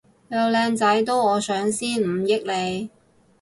有靚仔都我上先唔益你